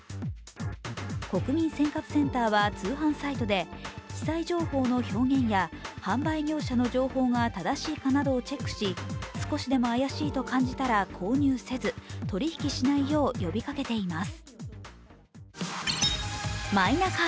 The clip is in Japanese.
国民生活センターは通販サイトで記載情報の表現や販売業者の情報が正しいかなどをチェックし少しでも怪しいと感じたら購入せず、取引しないよう呼びかけています。